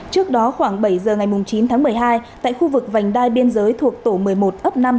trước đó khoảng bảy giờ ngày chín tháng một mươi hai tại khu vực vành đai biên giới thuộc tổ một mươi một ấp năm